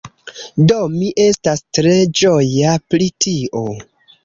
Do mi estas tre ĝoja pri tio.